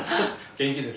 元気です。